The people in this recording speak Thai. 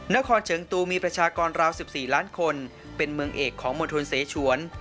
เชิงตูมีประชากรราว๑๔ล้านคนเป็นเมืองเอกของมณฑลเสชวน